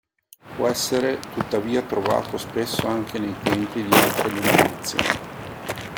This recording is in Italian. Può essere tuttavia trovato spesso anche nei templi di altre denominazioni.